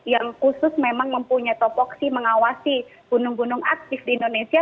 yang khusus memang mempunyai topoksi mengawasi gunung gunung aktif di indonesia